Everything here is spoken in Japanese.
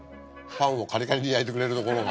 パンをカリカリに焼いてくれるところが。